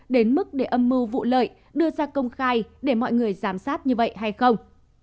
đến mức để âm mưu vụ lợi đưa ra công khai để mọi người giám sát như vậy hay không